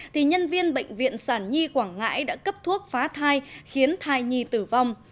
thì nhân viên bệnh viện sản nhi quảng ngãi đã cấp thuốc phá thai khiến thai nhi tử vong